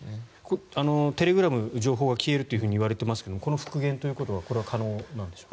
テレグラム情報が消えるといわれていますがこの復元ということは可能なんでしょうか？